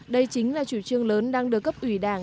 đây chính là chủ trương lớn đang được cấp ủy đảng